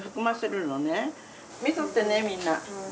見とってねみんな。